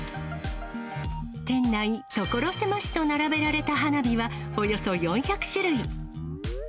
店内所狭しと並べられた花火は、およそ４００種類。